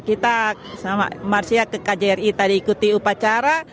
kita sama marsia ke kjri tadi ikuti upacara